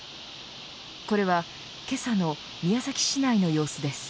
これはけさの宮崎市内の様子です。